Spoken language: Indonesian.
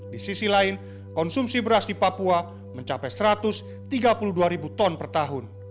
di sisi lain konsumsi beras di papua mencapai satu ratus tiga puluh dua ribu ton per tahun